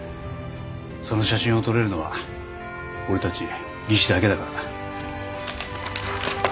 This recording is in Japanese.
その写真を撮れるのは俺たち技師だけだからな。